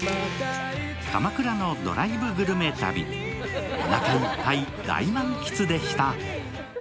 鎌倉のドライブグルメ旅おなかいっぱい大満喫でした。